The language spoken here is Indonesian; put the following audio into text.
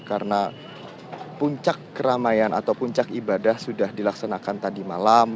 karena puncak keramaian atau puncak ibadah sudah dilaksanakan tadi malam